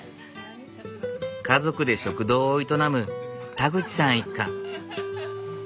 家族で食堂を営む田口さん一家。